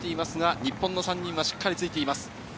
日本の選手は、しっかりついています。